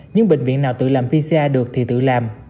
những bệnh viện nào tự làm pcr được thì tự làm